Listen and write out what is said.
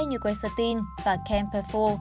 như quaystin và kempefo